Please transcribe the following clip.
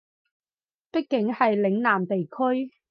畢竟係嶺南地區